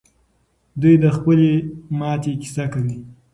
دوی د خپلې ماتې کیسه کوي.